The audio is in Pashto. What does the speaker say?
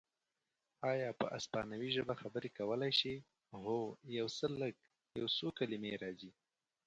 ایا په اسپانوي ژبه خبرې کولای شې؟ هو، یو څه لږ، یو څو کلمې راځي.